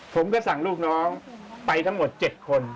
ผมก็สั่งลูกน้องไปทั้งหมด๗คน